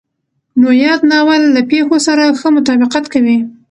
نو ياد ناول له پېښو سره ښه مطابقت کوي.